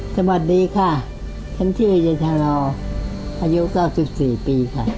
สมัดดีค่ะฉันชื่อเยจร่าลอายุ๙๔ปีค่ะ